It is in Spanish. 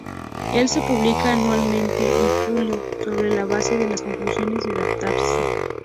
El se publica anualmente en julio sobre la base de las conclusiones de Database.